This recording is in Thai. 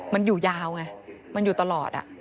มันอยู่ยาวไงมันอยู่ตลอด